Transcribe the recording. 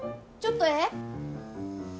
ちょっとええ？